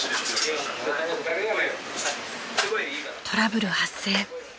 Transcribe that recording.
［トラブル発生］